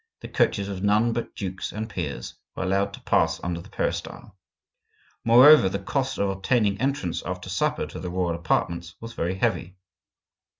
the coaches of none but dukes and peers were allowed to pass under the peristyle); moreover, the cost of obtaining entrance after supper to the royal apartments was very heavy.